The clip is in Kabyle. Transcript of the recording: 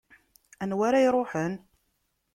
Anwa ara iruḥen?